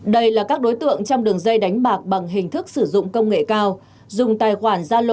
đây là các đối tượng trong đường dây đánh bạc bằng hình thức sử dụng công nghệ cao